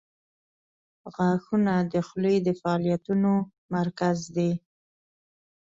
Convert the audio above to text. • غاښونه د خولې د فعالیتونو مرکز دي.